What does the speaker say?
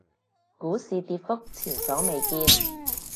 股市跌幅前所未見